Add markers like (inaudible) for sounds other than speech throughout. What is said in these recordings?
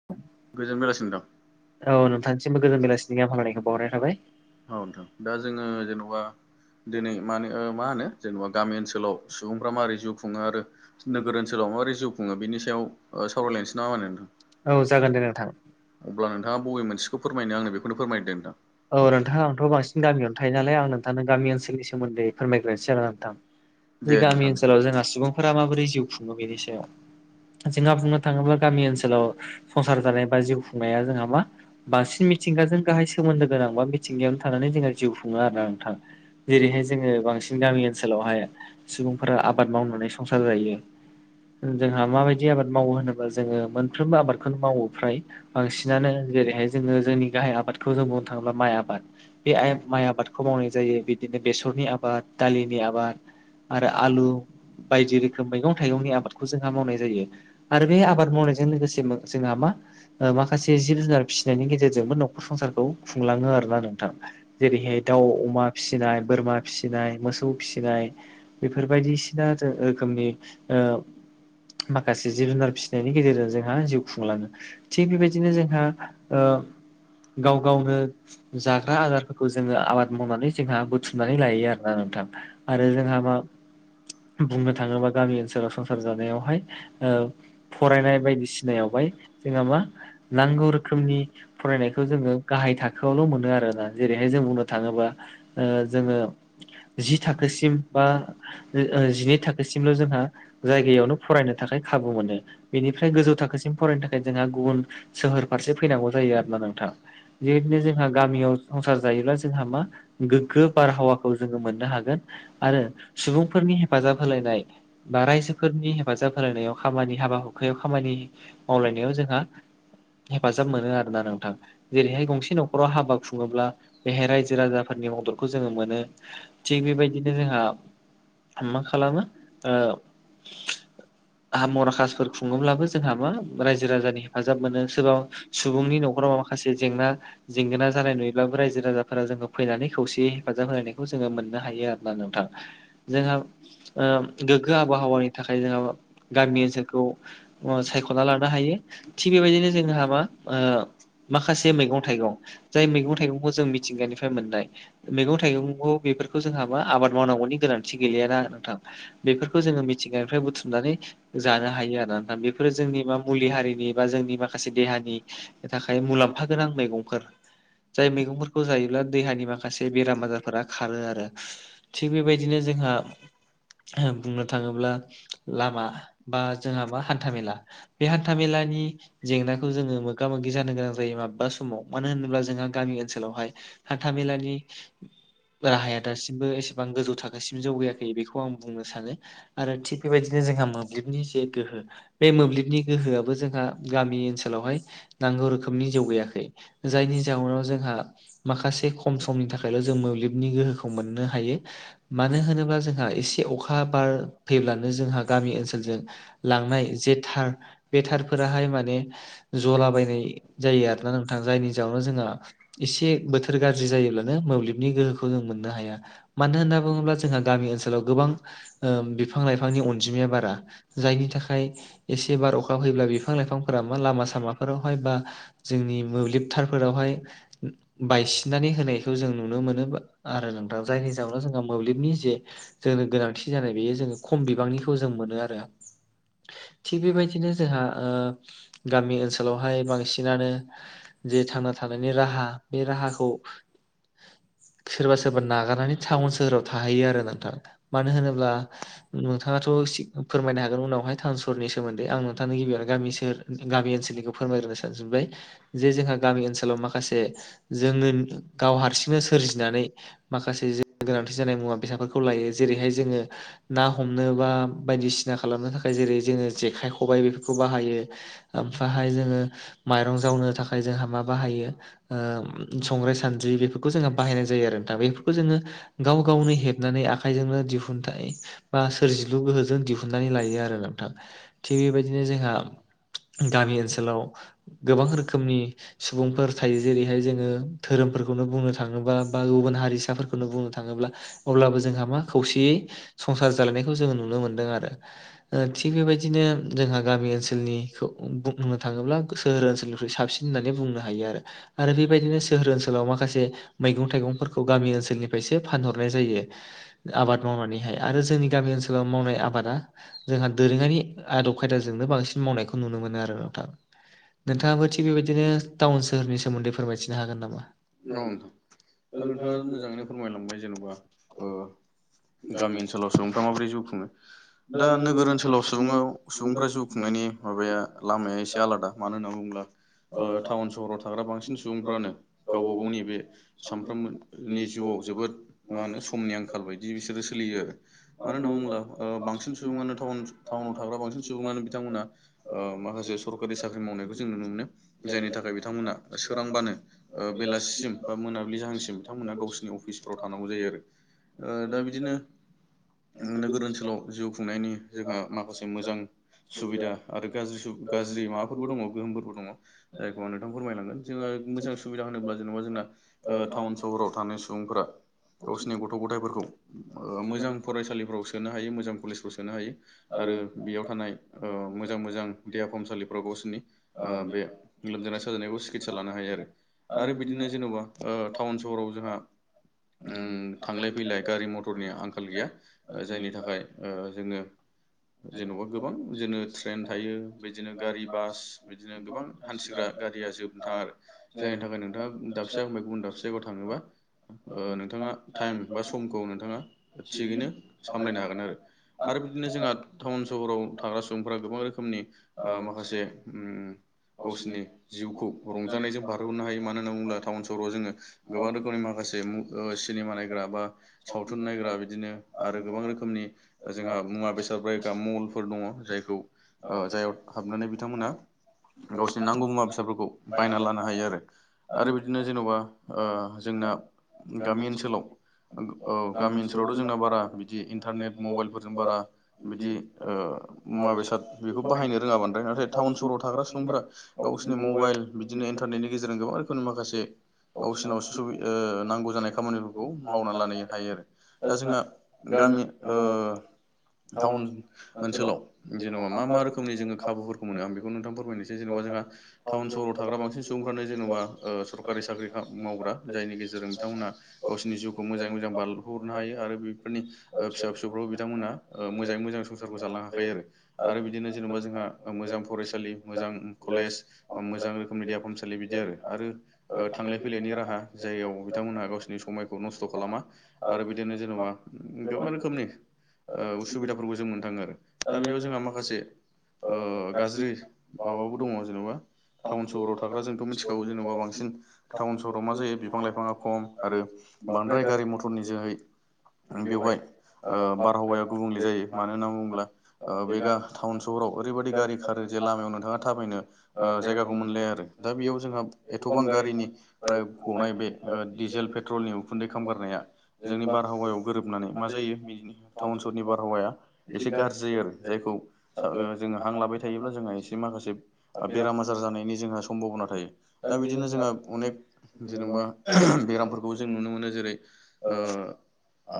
(inaudible) गोजोन बेलासि नोंथां औ नोंथांसिमबो गोजान बेलासिनि गाहाम हामलायनायखौ बावहरनाय थाबाय औ नोंथां दा जोङो जेन'बा दिनै मानो मा होनो जेनेबा गामि ओनसोलाव सुबुंफ्रा मारोरै जिउ खुङो आरो नोगोर ओनसोलाव माबोरै जिउ खुङो बेनि सायाव ओ सावरायलायनोसै नामा होनो नोंथां औ जागोन दे नोंथां अब्ला नोंथाङा बबे मोनसेखौ फोरमायनो आङो बेखौनो फोरमायदों नोंथां। औ नोंथा आंथ' बांसिन गामियावनो थायो नालाय आं नोंथांनो गामि ओनसनि सोमोन्दै फोरमायग्रोनोसै आरो नोंथां दे बै गामि नोंथां दे। औ ओनसोलाव जोंहा सुबुं फोर माबोरै जिउ खुङो बेनि सायाव, जोंहा बुंनो थाङोब्ला गामि ओनसोलाव संसार जानाय बा जिउ खुंनाया जोंहा मा बांसिन मिथिंगाजों गाहाय सोमोन्दो गोनां बा बिथिंगायावनो थानानै जोंहा जिउ खुङो आरोना नोंथां। जेरैहाय जोङो बांसिन गामि ओनसोलावहाय सुबुंफोरा आबाद मावनानै संसार जायो जोंहा माबायदि आबाद मावो होनोबा जोङो मोनफ्रोमबो आबादखौनो मावो फ्राय बांसिनानो जेरैहाय जोङो जोंनि गाहाय आबादखौ जों बुंनो थाङोब्ला माइ आबाद बे माइ आबादखौ मावनाय जायो बिदिनो बेसरनि आबाद दालिनि आबाद आरो आलु बायदि रोखोम मैगं थाइगंनि आबाद खौ जोंहा मावनाय जायो आरो बे आबाद मावनायजों लोगोसे जोंहा मा माखासे जिब जुनार फिसिनायनि गेजेरजोंबो नखर संसारखौ खुंलाङो आरो ना नोंथां जेरैहाय दाउ अमा फिसिनाय बोरमा फिसिनाय मोसौ फिसिनाय बेफोर बदिसिना रोखोमनि ओ माखासे जिब जुनार फिसिनायनि गेजेरजों जोंहा जिउ खुंलाङो थिग बेबायदिनो जोंहा ओ गाव गावनो जाग्रा आदारफोरखौ जोङो आबाद मावनानै जोंहा बुथुमनानै लायो आरोना नोंथां आरो जोंहा मा बुंनो थाङोबा गामि ओनसोलाव संसार जानायावहाय ओ फरायनाय बायदिसिनायावहाय जोंहा मा नांगौ रोखोमनि फरायनायखौ खौ जोङो गाहाय थाखोआवल' मोनो आरोना जेरैहाय जों बुंनो थाङोबा जोङो जि थाखोसिम बा जिनै थाखोसिमल' जोंहा जायगायावनो फरायनो थाखाय खाबु मोनो। बेनिफ्राय गोजौ थाखोसिम फरायनो थाखाय जोंहा गुबुन सोहोर फारसे फैनांगौ जायो आरोना नोंथां। बेबायदिनो जोंहा गामियाव संसार जायोब्ला जोंहा मा गोग्गो बारहावाखौ जोङो मोननो हागोन आरो सुबुंफोरनि हेफाजाब होलायनाय बा रायजोफोरनि हेफाजाब होलायनायाव खामानि हाबा हुखायाव खामानि मावलायनायाव जोंहा हेफाजाब मोनो आरोना नोंथां जेरैहाय गंसे न'खराव हाबा खुङोब्ला बेहाय रायजो राजाफोरनि मददखौ जोङो मोनो थिग बेबायदिनो जोंहा मा खालामो मराकासफोर खुङोब्लाबो जोंहा मा रायजो राजानि हेफाजाब मोनो सोरबा सुबुंनि न'खराव माखासे जेंना जेंगोना जानाय नुयोब्लाबो रायजो राजाफोरा जोंखौ फैनानै खौसेै हेफाजाब होनोलायखौ जोङो मोननो हायो आरो ना नोंथां जोंहा गोग्गो आबहावानि थाखाय जोंहा गामि ओनसोलखौ सायख'ना लानो हायो थिग बेबायदिनो जोंहा मा माखासे मैगं थाइगं जाय मैगं थाइगंखौ जों मिथिंगानिफ्राय मोननाय मैगं थाइगंखौ बेफोरखौ जोंहाबा आबाद मावनांगौनि मिथि गैलियाना नोंथां बेफोरखौ जोङो मिथिंगानिफ्राय बुथुमनानै जानो हायो आरो नथा बेफोरो जोंनि बा मुलि हारिनि बा जोंनि माखासे देहानि थाखाय मुलाम्फागोनां मैगंफोर जाय मैगंफोरखौ जायोब्ला देहानि माखासे बेराम आजारफोरा खारो आरो थिग बेबायदिनो जोंहा बुंनो थाङोब्ला लामा बा जोंहा मा हान्थामेला बे हान्था मेलानि जेंनाखौ जोङो मोगा मोगि जानो गोनां जायो माबेबा समाव मानो होनोब्ला जोंहा गामि ओनसोलावहाय हान्थाामेलानि राहाया दासिमबो एसेबां गोजौ थाखोसिम जौगायाखै बेखौ आं बुंनो सानो आरो थिग बेबायदिनो जोंहा मोब्लिबनि जे गोहो बे मोब्लिबनि गोहोआबो जोंहा गामि ओनसोलावहाय नांगौ रोखोमनि जौगायाखै जउनाव जोंहा माखासे खम समनि थाखायल' जों मोब्लिबनि गोहोखौ मोननो हायो मानो होनोब्ला जोंहा एसे अखा बार फैब्लानो जोंहा गामि ओनसोलजों लांनाय जे थार बे थार फोराहाय माने जलाबाय जायो आरोना नोंथां जायनि जावनो जोंहा एसे बोथोर गाज्रि जायोब्लानो मोब्लिब नि गोहोखौ जों मोननो हाया मानो होनना बुङोब्ला जोंहा गामि ओनसोलाव गोबां बिफां लाइफांनि अनजिमाया बारा जायनि थाखाय एसे बार अखा फैयोब्ला बिफां लाइफांफोरा मा लामा सामाफोराव बा जोंनि मोब्लिबथारफोरावहाय बायसिननानै होनायखौ जों नुनो नुनो मोनो आरो नोंथां जायनि जाहोनाव जोंहा मोब्लिबनि जे जोंनो गोनांथि जानाय बेयो जोङो खम बिबांनिखौ जों मोनो आरो थिग बेबायदिनो जोंहा गामि ओनसोलाव आथिखालावहाय बांसिनानो जे थांना थानायनि राहा बे राहाखौ (inaudible) सोरबा सोरबा नागारनानै टाउन सोहोराव थाहैयो आरो नोंथां मानो होनोब्ला नोंथाङाथ' फोरमायनो हागोन उनावहाय। टाउन सहरनि सोमोन्दै आं नोंथांनो गिबियाव गामि सोहो गामि ओनसोलनिखौ फोरमायग्रोनो सानज्रिबाय। जे जोंहा गामि ओनसोलाव माखासे जोङो गाव हारसिंनो सोरजिनानै माखासे ज गोनांथि जानाय मुवा बेसादफोरखौ लायो जेरैहाय जोङो ना हमनो बा बायदिसिना खालामनो थाखाय जेरै जोङो जेखाय खबाइ बेफोरखौ बाहायो ओमफ्राहाय जोङो माइरं जावनो थाखाय जोंहा मा बाहायो ओ संग्राय सान्द्रि बेफोरखौ जोङो बाहायनाय जायो आरो दा बेफोरखौ जोङो गाव गावनो हेब बनानै आखाइजोंनो दिहुनथाय बा सोरजिलु गोहोजों दिहुननानै लायो आरो नोंथां। थिग बेबायदिनो जोंहा गामि ओन ओनसोलाव गोबां रोखोमनि सुबुंफोर थायो जेरैहाय जोङो धोरोमफोरखौनो बुंनो थ थाङोबा बा गुबुन हारिसाफोरखौनो बुंनो थाङोब्ला अब्लाबो जोंहा मा खौसेयै संसार जालायनायखौ जोङो नुनो मोनदों आरो ओ थिग बेबायदिनो जोंहा गामि ओनसोलनिखौ बुंनो थाङोब्ला सोहोर ओनसोलनिफ्राइ साबसिन होन्नानै बुंनो हायो आरो बेबायदिनो सोहोर ओनसोल ओनसोलाव माखासे मैगं थाइगंफोरखौ गामि ओनसोलनिफ्रायसो फानहरनाय जायो। आबाद मावनानैहाय आरो जोंनि गामि ओनसोलाव मावनाय आबादा जोंहा दोरोङारि आदब खायदाजोंनो बांसिन मावनायखौ नुनो मोनो आरो नोंथां। नोंथाङाबो थिग बेबायदिनो टाउन सोहोरनि सोमोन्दै फोरमायथिनो हागोन नामा? नोंथां दा नोंथाङा मोजाङैनो फोरमायलांबाय जेन'बा ओ गामि ओनसोलाव सुबुंफ्रा माबोरै जिउ खुङो दा नोगोर ओनसोलाव सुबुङाव सुबुंफ्रा जिउ खुंनायनि माबाया लामाया एसे आलादा (inaudible) मानो होनना बुङोब्ला ओ टाउन सहराव थाग्रा बांसिन सुबुंफ्रानो गावबा गावनि बे सानफ्रोमबोनि जिउआव जोबोद मा होनो समनि आंखाल बायदि बिसोरो सोलियो। मानो होनना बुङोब्ला ओ बांसिन सुबुङानो टाउन टाउनाव थाग्रा बांसिन सुबुङानो बिथांमोना ओ माखासे सर बे साख्रि मावनायखौ जों नुनो मोनो जायनि थाखाय बिथांमोना सोरांबानो ओ बेलासिसिम बा मोनाबिलि जाहांसिम बिथांमोना गावसोरनि अफिसफ्राव थानांगौ जायो आरो दा बिदिनो नोगोर ओनसोलाव जिउ खुंनायनि जोंहा माखासे मोजां सुबिदा आरो गाज्रि गाज्रि माबाफोरबो दङ गोहोमफोरबो दङ जायखौ आं नोंथांनो फोरमायलांगोन जोङो मोजां सुब सुबिदा होनोब्ला जेनेबा जोंना टाउन सहराव थानाय सुबुंफोरा गावसोरनि गथ' गथायफोरखौ ओ मोजां फरायसालिफ्राव सोनो हायो मोजां कलेजफ्राव सोनो हायो। आरो बेयाव थानाय ओ मोजां मोजां देहा फाहामसालि (unintelligible) गावसोरनि ओ बे लोमजानाय साजानायखौ सिकितसा लानो हायो आरो। आरो बिदिनो जेन'बा ओ टाउन सहराव जोंहा ओम थांलाय फैलाय गारि मथरनि आंखाल गैया जायनि थाखाय ओ जोङो जेन'बा गोबां जोङो ट्रेन थायो बि गारि बास बिदिनो गोबां हान्थिग्रा गारिया जोबनो थाङा आरो जायनि थाखाय नोंथाङा दा (unintelligible) गुबुन दाबसे जायगायाव थाङोबा ओनोंथाङा टाइम बा समखौ नोंथाङा थिगैनो सामलायनो हागोन आरो। आरो बिदिनो जोंहा टाउन सहराव थाग्रा सुबुंफोरा गोबां रोखोमनि ओ माखासे उम गावसोरनि जिउखौ रंजानायजों बारहो हरनो हायो मानो होनना बुङोब्ला टाउन सहराव जोङो गोबां रोखोमनि माखासे मु सिनेमा नायग्रा बा सावथुन नायग्रा बिदिनो आरो गोबां रोखोमनि जोंहा मुवा बेसाद बायग्रा मलफोर दङ जायखौ ओ जाय हाबनानै बिथांमोनहा गावसिनि नांगौ मुवा बेसादफोरखौ बायना लानो हायो आरो। आरो बिदिनो जेन'बा ओ जोंना गामि ओनसोलाव औ गामि ओनसोलावथ' जोंना बारा बिदि इन्टारनेट मबाइलफोरजों बारा बिदि ओ मुवा बेसाद बेखौ बाहायनो रोङामोन नाथाय टाउन सहराव थाग्रा सुबुंफोरा गावसोनि मबाइल बिदिनो इन्टारनेटनि गेजेरजों गोबां रोखोमनि माखासे गावसिनाव सुबि ओ नांगौ जानाय खामानिफोरखौ मावना लानो हायो आरो दा जोंहा गामि ओ टाउन ओनसोलाव जेनेबा मा मा रोखोमनि जोङो खाबुफोर मोनो आं बिखौ नोंथां फोरमायनोसै जेनेबा जोंहा टाउन सहराव थाग्रा बांसिन सुबुंफ्रानो जेन'बा ओ सरकारि साख्रि खा मावग्रा जायनि गेजेरजों बिथांमोनहा गावसिनि जिउखौ मोजाङै मोजां बारहोहरनो हायो आरो बेफोरनि फिसा फिसाफोरखौ बिथांमोना ओ मोङै मोजां संसारखौ जालांनो हाखायो आरो बिदिनो जेन'बा जोंहा मोजां फरायसालि मोजां कलेज मोजां रोखोमनि देहा फाहामसालि बिदि आरो आरो ओ थांलाय फैलायनि राहा जाययाव बिथांमोनहा गावसिनि समायखौ नस्थ' खालामा आरो बिदिनो जेनेबा गोबां रोखोमनि ओ उसुबिदाफोरखौ जों मोननो थांङो आरो दा बेयाव जोंहा माखासे ओ गाज्रि माबाबो दङ जेन'बा टाउन सहराव थाग्रा जोंथ' मिथिखागौ जेनेबा बांसिन टाउन सहराव मा जायो बिफां लाइफांङा खम आरो बांद्राय गारि मथरनि जोहै बेवहाय ओ बारहावाया गुबुंले जायो मानो होनना बुंङोब्ला ओ बे गा टाउन सहर सहराव ओरैबादि गारि खारो जे लामायाव नोंथाङा थाबायनो ओ जायगाखौ मोनलाया आरो दा बेयाव जोंहा एथ'बां गारिनि -फ्राय गनाय बे ओ डिजेल पेट्रलनि उखुन्दै खालामगारनाया जोंनि बारहावायाव गोरोबनानै मा जायो बिनि टाउन सहरनि बारहावाया एसे गाज्रि जायो आरो जायखौ जोङो हां लाबाय थायोब्ला जोंहा एसे माखासे बेराम आजार जानायनि जोंहा सम्भाबना थायो। दा बिदिनो जोंहा अनेक जेनेबा बेरामफोरखौ जों नुनो मोनो जेरै ओ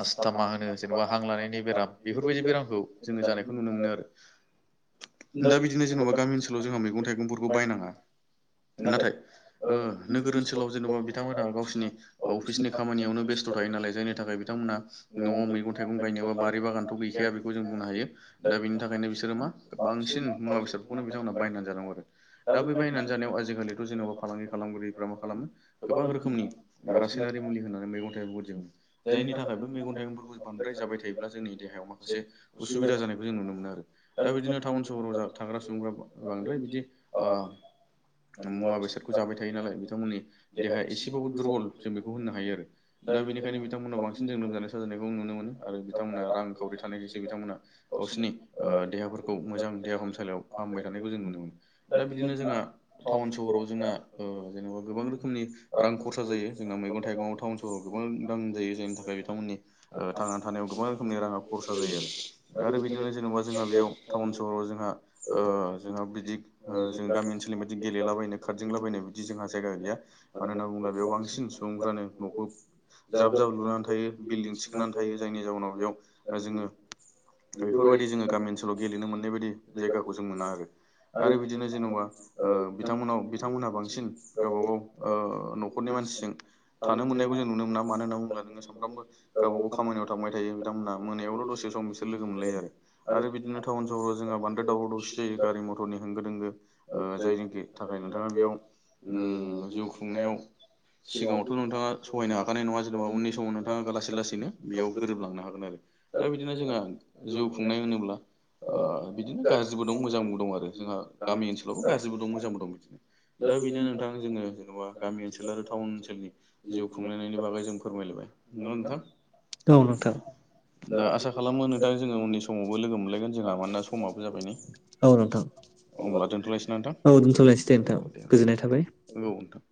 आस्थामा होनो जेनेबा हां लानायनि बेराम बेफोरबायदि बेरामखौ जोङो जानायखौ नुनो मोनो आरो। दा बिदिनो जेनेबा गामि ओनसोलाव जोंहा मैगं- थाइगंफोरखौ बायनाङा। नाथाय ओ नोगोर ओनसोलाव जेन'बा बिथांमोनहा गावसिनि अफिसनि खामानियावनो बेस्थ' थायो नालाय जायनि थाखाय बिथांमोना न'आव मैगं- थाइगं गायनोबा बारि बागानथ' गैखाया बे (unintelligible) जों बुंनो हायो दा बिनि थाखायनो बिसोरो मा बांसिन मुवा बेसादफोरखौनो बिथांमोना बायनानै जानांगौ आरो दा बे बायनानै जानायाव आजिखालिथ' जेन'बा फालांगि खालामगिरि मा खालामो गोबां रोखोमनि रासायनारि मुलि होननानै मैगं- थाइगंजों जायनि थाखायबो मैगं -थाइगंफोरखौ बांद्राय जाबाय थायोब्ला जोंनि देहायाव माखासे उसुबिदा जानायखौ जों नुनो मोनो आरो। दा बेखायनो टाउन सहराव जा थाग्रा सुबुंफ्रा बांद्राय बिदि ओ मुवा बेसादखौ जाबाय थायो नालाय बिथांमोननि देहाया एसेबाबो दुरबल जों बेखौ होननो हायो आरो। दा बेनिखायनो बिथांमोना बांसिन जों लोमजानाय साजानायखौ नुनो मोनो आरो बिथांमोनहा रांखावरि थानायखायसो बिथांमोना गावसिनि ओ देहाफोरखौ औ मोजां देहा फाहामसालियाव फाहामबाय थानायखौ जों नुनो मोनो। दा बिदिनो जोंहा टाउन सहराव जोंना ओ जेनेबा गोबां रोखोमनि रां खरसा जायो जोंना मैगं -थाइगंयाव। टाउन सहराव गोबां रां जायो जायनि थाखाय बिथांमोननि ओ थांनानै थानायाव गोबां रोखोमनि राङा खरसा जायो आरो आरो बिदिनो जेनेबा जोंहा बेयाव (unintelligible) टाउन सहराव जोंहा ओ जोंहा बिदि ओ जों गामि ओनसोलनि बायदि गेलेलाबायनो खारदिंलाबायनो बिदि जोंहा जायगा गैया। मानो होनना बुंङोब्ला बेयाव बांसिन सुबुंफ्रानो न'खौ जाब जाब लुनानै थायो। बिल्डिं थिखांनानै थायो जायनि जाउनाव बेयाव जोङो बेफोरबायदि जोङो (unintelligible) (unintelligible) गेलेनो मोननाय बायदि जायगाखौ जों मोना आरो। आरो बिदिनो जेन'बा ओ बिथांमोनाव बिथांमोनहा बांसिन गावबा गाव ओ न'खरनि मानसिजों थानो मोननायखौ जों नुनो मोना। मानो होनना बुंंङोब्ला नोङो सानफ्रामबो गावबा गाव खामानियाव थांबाय थायो बिथांमोनहा मोनायावल' दसे (unintelligible) लोगो मोनलायो आरो बिदिनो टाउन सहराव जोंहा बांद्राय दावराव दावसि जायो। गारि मथरनि होंगो दोंगो ओ जायनिखि थाखाय नोंथांङा बेयाव उम जिउ खुंनायाव सिगाङावथ' नोंथाङा सहायनो हाखानाय नङा। जेनेबा उननि समाव नोंथांङा लासै लासैनो बेयाव गोरोबलांनो हागोन आरो। दा बिदिनो जोंहा जिउ खुंनाय होनोब्ला ओ बिदिनो गाज्रिबो दं मोजांबो दं आरो। जोंहा गामि ओनसोलावबो गाज्रिबो दं मोजांबो दं। बिदिनो दा बेनो नोंथां जोङो जेन'बा गामि ओनसोल आरो टाउन ओनसोलनि जिउ खुंलायनायनि बागै जों फोरमायलायबाय। नंगौ नोंथां। औ नोंथां दा आसा खालामो नोंथां जोङो उननि समावबो लोगो मोनलायगोन जोंहा मानोना समाबो जाबाय नै औ नोंथां। अब्ला दोनथ'लायसै ना नोंथां औ दोनथ'लायसै दे नोंथां गोजोननाय थाबाय। नोंगौ नोंथां।